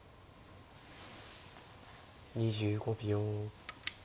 ２５秒。